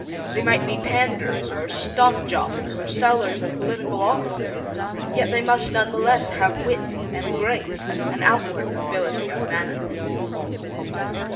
They might be panders, or stock jobbers, or sellers of political offices; yet they must none the less have wit and grace and outward nobility of manner.